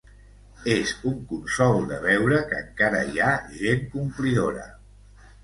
És un consol de veure que encara hi ha gent complidora.